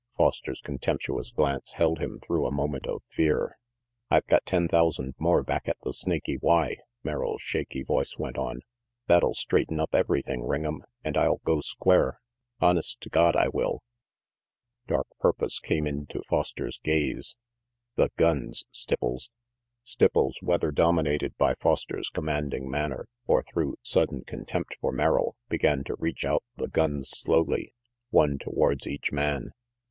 Foster's contemptuous glance held him through a moment of fear. "I've got ten thousand more back at the Snaky Y," Merrill's shaky voice went on, "That'll straighten up everything, Ring'em, and I'll go square. Honest to God, I will." Dark purpose came into Foster's gaze. "The guns, Stipples!" RANGY PETE 397 Stipples, whether dominated by Foster's command ing manner, or through sudden contempt for Merrill, began to reach out the guns slowly, one towards each man.